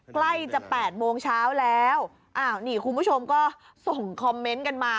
ใกล้จะ๘โมงเช้าแล้วอ้าวนี่คุณผู้ชมก็ส่งคอมเมนต์กันมา